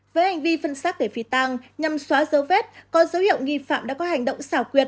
với hành vi phân xác để phi tàng nhằm xóa dấu vết có dấu hiệu nghi phạm đã có hành động xảo quyệt